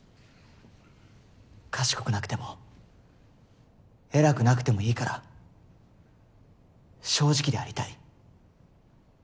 「賢くなくても偉くなくてもいいから正直でありたい」。